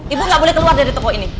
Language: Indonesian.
ibu nggak boleh keluar dari toko ini